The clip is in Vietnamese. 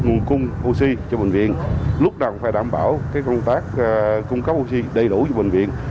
nguồn cung oxy cho bệnh viện lúc đầu cũng phải đảm bảo công tác cung cấp oxy đầy đủ cho bệnh viện